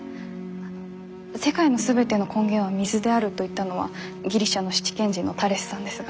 世界の全ての根源は水であると言ったのはギリシャの七賢人のタレスさんですが。